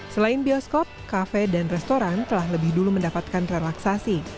selain bioskop kafe dan restoran telah lebih dulu mendapatkan relaksasi